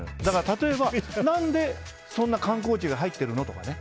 例えば、何でそんな観光地が入っているの？とかね。